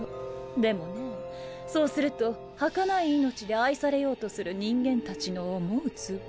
でもねそうすると儚い命で愛されようとする人間達の思うつぼ。